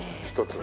１つ。